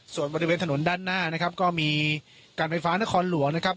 ส่วนบริเวณถนนด้านหน้านะครับก็มีการไฟฟ้านครหลวงนะครับ